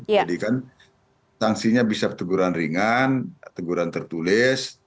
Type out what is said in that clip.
jadi kan sangsinya bisa teguran ringan teguran tertulis